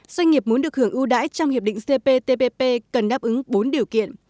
doanh nghiệp muốn được hưởng ưu đãi trong hiệp định cptpp cần đáp ứng bốn điều kiện